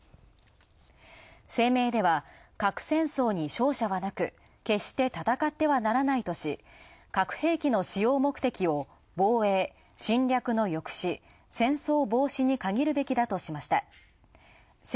声明では核戦争に勝者はなく決して戦ってはならない兵器の使用目的を防衛、侵略の抑止、戦争防止に限るべきだとしました。